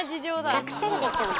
隠せるでしょ。